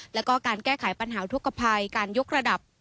แล้วก็การแก้ไขปัญหาอุทธกภัยการยกระดับ